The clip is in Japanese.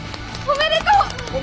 おめでとう！